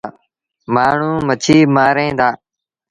مآڻهوٚݩ مڇيٚ مآرين دآ۔